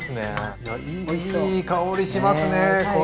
いやいい香りしますねこれ。